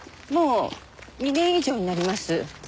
もう２年以上になります。